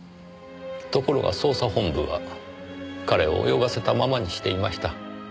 ところが捜査本部は彼を泳がせたままにしていました。